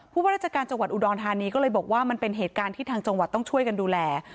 ว่าราชการจังหวัดอุดรธานีก็เลยบอกว่ามันเป็นเหตุการณ์ที่ทางจังหวัดต้องช่วยกันดูแล